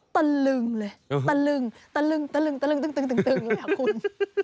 ตะลึงเลยตะลึงตะลึงตะลึงตึงตึงตึงตึงหรือเปล่าคุณ